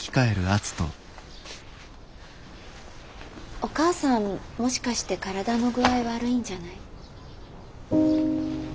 お母さんもしかして体の具合悪いんじゃない？